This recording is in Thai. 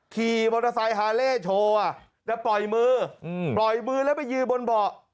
ขี่มอเตอร์ไซค์ฮาเล่โชว์จะปล่อยมือปล่อยมือแล้วไปยืนบนเบาะ